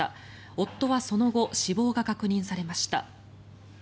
夫はその後死亡が確認されました。